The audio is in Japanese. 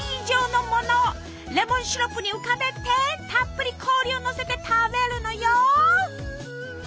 レモンシロップに浮かべてたっぷり氷をのせて食べるのよ！